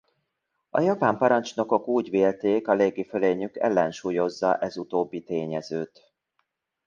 A japán parancsnokok úgy vélték a légi fölényük ellensúlyozza ez utóbbi tényezőt.